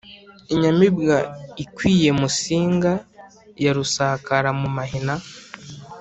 inyamibwa ikwiye musinga, ya rusakara mu mahina,